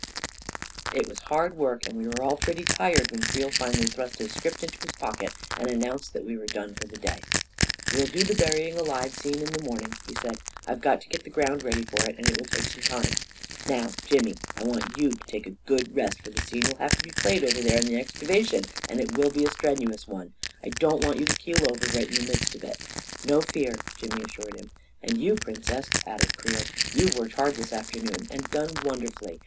It was hard work, and we were all pretty tired when Creel finally thrust his script into his pocket and announced that we were done for the day. "We'll do the burying alive scene in the morn ing," he said. " I've got to get the ground ready for it, and it will take some time. Now, Jimmy, I want you to take a good rest, for the scene will have to be played over there in the excavation, and it will be a strenuous one. I don't want you to keel over right in the midst of it." " No fear," Jimmy assured him. "And you, Princess," added Creel. "You've worked hard this afternoon — and done wonder fully!